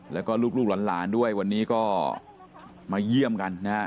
แล้วก็ลูกหลานด้วยวันนี้ก็มาเยี่ยมกันนะฮะ